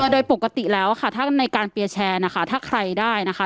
โดยปกติแล้วค่ะถ้าในการเปียร์แชร์นะคะถ้าใครได้นะคะ